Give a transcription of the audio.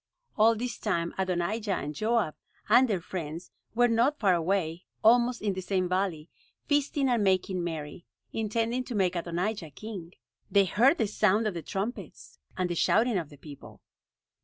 All this time Adonijah and Joab, and their friends were not far away, almost in the same valley, feasting and making merry, intending to make Adonijah king. They heard the sound of the trumpets, and the shouting of the people.